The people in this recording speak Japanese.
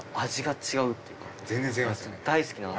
大好きな味。